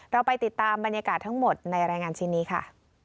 เราไปติดตามบรรยากาศทั้งหมดในรายงานชิ้นนี้ค่ะ